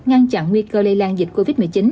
ngăn chặn nguy cơ lây lan dịch covid một mươi chín